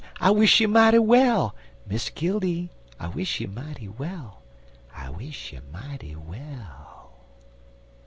I wish you mighty well! Mr. Killdee! I wish you mighty well! I wish you mighty well!